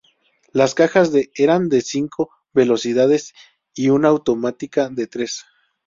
Las cajas de eran de cinco velocidades y una automática de tres.